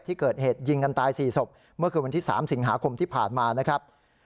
ที่เกิดเหตุยิงกันตาย๔ศพเมื่อคืนวันที่๓สิงหาคมที่ผ่านมานะครับ